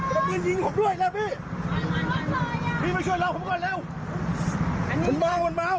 ยิงยิงยิงผมด้วยแล้วพี่พี่มาช่วยเราผมก็เร็วมันเบามันเบาพี่ไม่เอาไม่ไม่ไม่โทรแล้ว